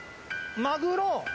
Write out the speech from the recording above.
マグロ。